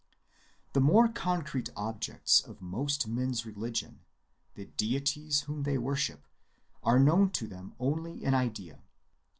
The more concrete objects of most men's religion, the deities whom they worship, are known to them only in idea.